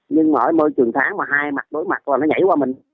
nhưng ở môi trường tháng mà hai mặt đối mặt là nó nhảy qua mình